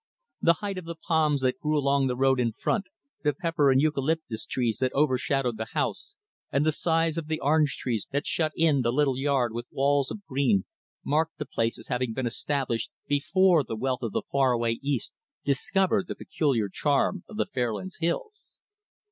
The height of the palms that grew along the road in front, the pepper and eucalyptus trees that overshadowed the house, and the size of the orange trees that shut in the little yard with walls of green, marked the place as having been established before the wealth of the far away East discovered the peculiar charm of the Fairlands hills.